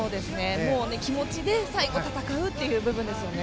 もう気持ちで最後戦うという部分ですよね。